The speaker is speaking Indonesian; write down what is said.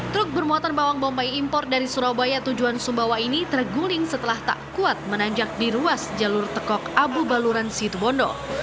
truk bermuatan bawang bombay impor dari surabaya tujuan sumbawa ini terguling setelah tak kuat menanjak di ruas jalur tekok abu baluran situbondo